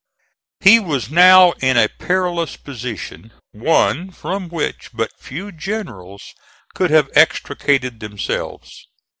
He was now in a perilous position, one from which but few generals could have extricated themselves.